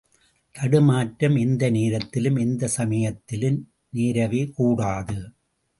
தடுமாற்றம் எந்த நேரத்திலும், எந்த சமயத்திலும் நேரவே கூடாது.